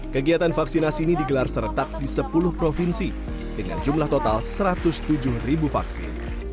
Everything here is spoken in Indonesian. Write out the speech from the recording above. kegiatan vaksinasi ini digelar seretak di sepuluh provinsi dengan jumlah total satu ratus tujuh ribu vaksin